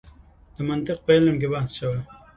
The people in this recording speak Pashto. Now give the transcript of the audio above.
د منطق په علم کې بحث شوی.